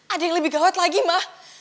ada yang lebih gawat lagi mah